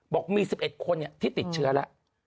บอกมี๑๑คนที่ติดเชื้อแล้ว